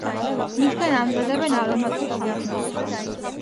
მისგან ამზადებენ არომატულ სასმელს.